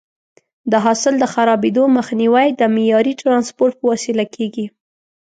د حاصل د خرابېدو مخنیوی د معیاري ټرانسپورټ په وسیله کېږي.